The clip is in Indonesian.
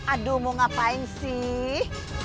aduh mau ngapain sih